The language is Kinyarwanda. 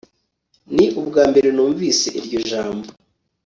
ni ubwambere numvise iryo jambo